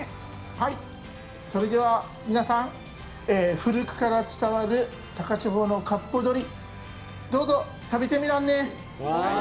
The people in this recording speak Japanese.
それでは皆さん古くから伝わる高千穂のかっぽ鶏どうぞ食べてみらんね。